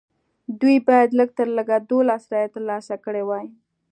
دوی باید لږ تر لږه دولس رایې ترلاسه کړې وای.